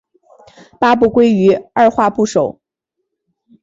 八部归于二划部首。